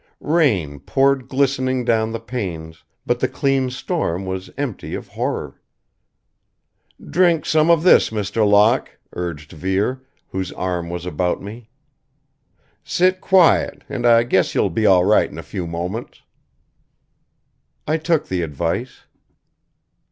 Rain poured glistening down the panes, but the clean storm was empty of horror. "Drink some of this, Mr. Locke," urged Vere, whose arm was about me. "Sit quiet, and I guess you'll be all right in a few moments." I took the advice.